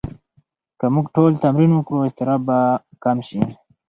که موږ ټول تمرین وکړو، اضطراب به کم شي.